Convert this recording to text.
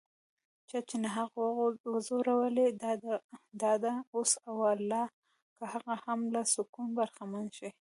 چا چې ناحقه وځورولي، ډاډه اوسه والله که هغه هم له سکونه برخمن شي